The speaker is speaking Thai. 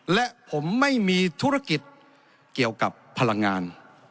และผมไม่มีธุรกิจเกี่ยวกับพลังงาน